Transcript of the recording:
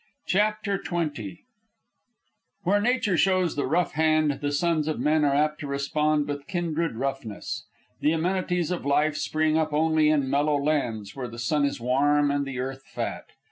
CHAPTER XX Where nature shows the rough hand, the sons of men are apt to respond with kindred roughness. The amenities of life spring up only in mellow lands, where the sun is warm and the earth fat.